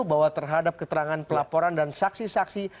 bahwa terhadap keterangan pelaporan dan saksi saksi